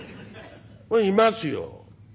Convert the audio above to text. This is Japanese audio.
「いますよ」。